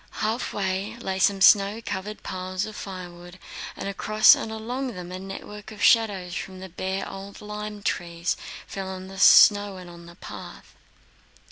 Halfway lay some snow covered piles of firewood and across and along them a network of shadows from the bare old lime trees fell on the snow and on the path.